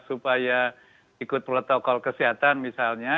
supaya ikut protokol kesehatan misalnya